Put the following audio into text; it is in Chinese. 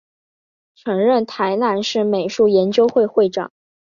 曾任台南市美术研究会会长。